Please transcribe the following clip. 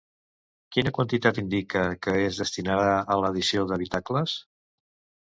Quina quantitat indica que es destinarà a l'edificació d'habitacles?